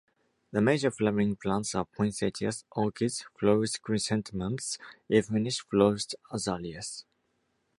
The major flowering plants are poinsettias, orchids, florist chrysanthemums, and finished florist azaleas.